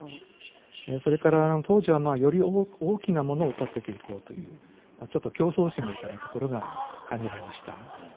それから当時はより大きなものを建てていこうという、ちょっと競争心みたいなところが感じられました。